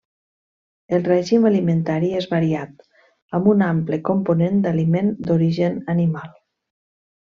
El règim alimentari és variat, amb un ample component d'aliment d'origen animal.